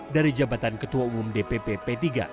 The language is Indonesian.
dari jabatan ketua umum dpp p tiga